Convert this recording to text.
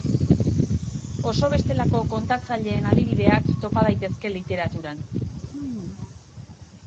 Oso bestelako kontatzaileen adibideak topa daitezke literaturan.